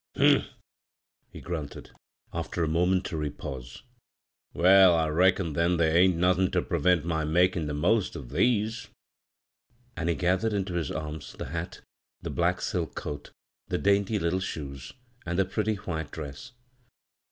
" Hun^h 1 " he grunted, after a momentaiy 43 bvGoog[c CROSS CURRENTS pause; "well, I leckon then there ^n't aothin' ter prevent my makin' the most o* these I " And he gathered into his arms the hat, the black silk coat, the dainty Utde shoes and the pretty white dress.